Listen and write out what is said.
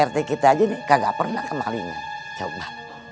rt kita jadi kagak pernah kemalingan coba